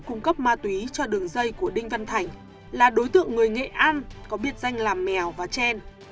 cung cấp ma túy cho đường dây của đinh văn thành là đối tượng người nghệ an có biệt danh làm mèo và chen